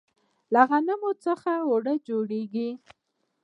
له غنمو څخه اوړه جوړیږي.